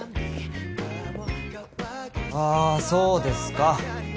あそうですか。